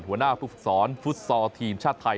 หัวหน้าผู้ฝึกสอนฟุตซอลทีมชาติไทย